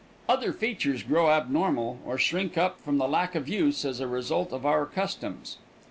Other features grow abnormal, or shrink up from the lack of use, as a result of our customs.